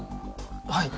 はい。